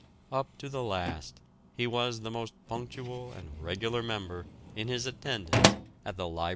Up to the last he was the most punctual and regular member in his attendance at the Library Committee.